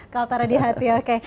kalitara di hati oke